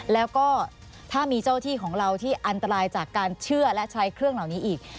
แล้วก็ถ้ามีเจ้าที่ของเราที่อันตรายจากการเชื่อและใช้เครื่องเหล่านี้อีก